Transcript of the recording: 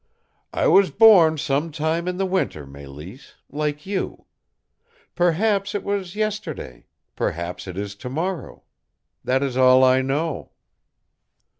"I was born some time in the winter, Mélisse like you. Perhaps it was yesterday, perhaps it is to morrow. That is all I know."